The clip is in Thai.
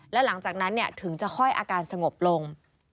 แล้วหลังจากนั้นถึงจะค่อยอาการสงบลง